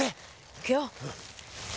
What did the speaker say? いくよ。